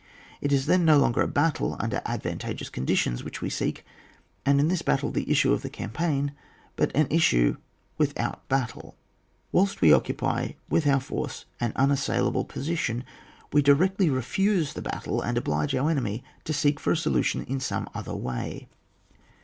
It is then no longer a battle under advantageous con ditions which we seek, and in this battle the issue of the campaign, but an issue without a battle. Whilst we occupy with our force an unassailable position, we directly refuse the battle, and oblige our enemy to seek for a solution in some other way.